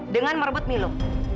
dengan merebut milo